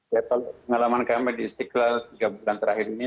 ya kalau pengalaman kami di istiqlal tiga bulan terakhir ini